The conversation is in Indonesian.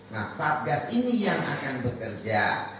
nah satgas ini yang akan bekerja